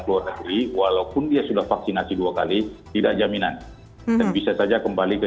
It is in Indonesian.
luar negeri walaupun dia sudah vaksinasi dua kali tidak jaminan dan bisa saja kembali ke